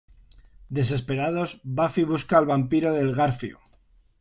Desesperados, Buffy busca al vampiro del garfio.